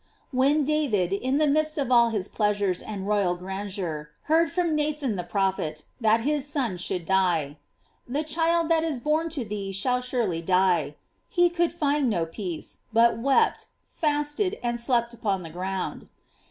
When David, in the midst of all his pleasures and royal grandeur^ heard from Nathan the prophet, that his son should die — "The child that is born to thee shall surely die" §— he could find no peace, but wept, fasted, and slept upon the ground.